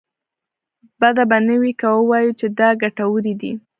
بده به نه وي که ووايو چې دا ګټورې دي.